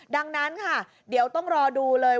ดังนั้นค่ะเดี๋ยวต้องรอดูเลย